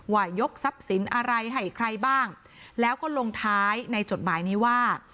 ยกทรัพย์สินอะไรให้ใครบ้างแล้วก็ลงท้ายในจดหมายนี้ว่า